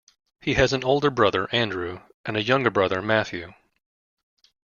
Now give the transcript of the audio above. He has an older brother, Andrew, and a younger brother, Matthew.